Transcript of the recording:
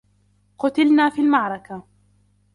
قُتلتا في المعركة.